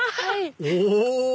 お！